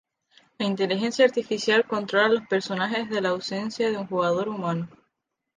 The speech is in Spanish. La Inteligencia Artificial controla los personajes de la ausencia de un jugador humano.